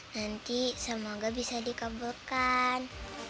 nanti semoga bisa dikabulkan